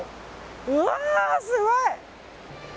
うわ、すごい！